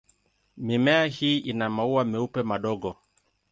Mimea hii ina maua meupe madogo.